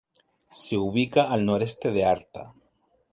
Se ubica al noroeste de Arta.